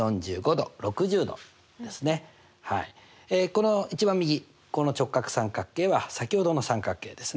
この一番右この直角三角形は先ほどの三角形ですね。